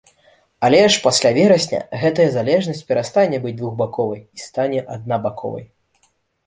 Але ж пасля верасня гэтая залежнасць перастане быць двухбаковай і стане аднабаковай.